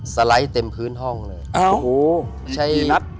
สไลด์เต็มพื้นห้องเลย